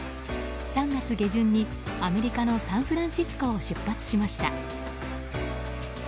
３月下旬にアメリカのサンフランシスコを出発しました。